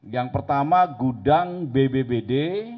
yang pertama gudang bbbd